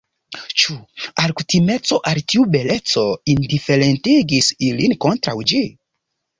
Ĉu alkutimeco al tiu beleco indiferentigis ilin kontraŭ ĝi?